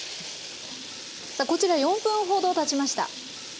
さあこちら４分ほどたちました。